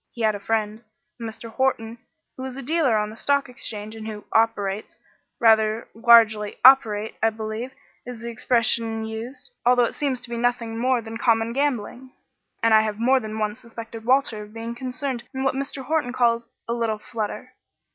He had a friend a Mr. Horton who is a dealer on the Stock Exchange and who 'operates' rather largely 'operate' I believe is the expression used, although it seems to be nothing more than common gambling and I have more than once suspected Walter of being concerned in what Mr. Horton calls 'a little flutter.'"